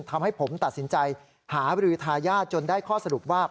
ทำให้ผมตัดสินใจหาบรือทายาทจนได้ข้อสรุปว่า